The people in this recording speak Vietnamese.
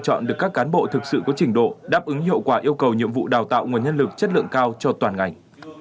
ứng hiệu quả yêu cầu nhiệm vụ đào tạo nguồn nhân lực chất lượng cao cho toàn ngành